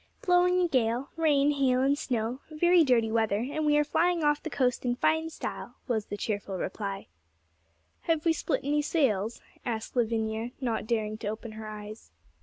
'Blowing a gale; rain, hail, and snow, very dirty weather; and we are flying off the coast in fine style,' was the cheerful reply. 'Have we split any sails?' asked Lavinia, not daring to open her eyes.